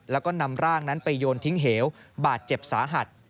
แล้วก็นำร่างนั้นไปโยนทิ้งเหวบาดเจ็บสาหัส